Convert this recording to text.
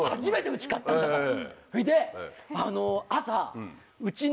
それで。